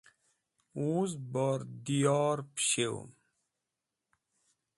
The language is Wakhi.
wuz bor dyor pishew'em